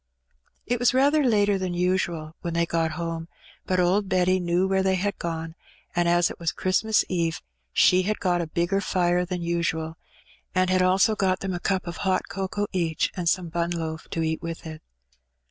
It was rather later than usual when they got home, but old Betty knew where they had gone, and, as it was Christ mas Eve, she had got a bigger fire in than usual, and had also got them a cup of hot cocoa each, and some bun loaf to eat with it.